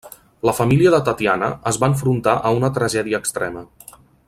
La família de Tatiana es va enfrontar a una tragèdia extrema.